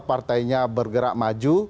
partainya bergerak maju